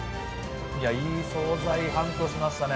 いい総菜ハントしましたね。